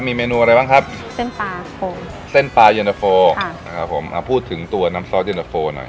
มีเมนูอะไรบ้างครับเส้นปลาโฟอ่าพูดถึงตัวน้ำซอสเย็นเตอร์โฟหน่อย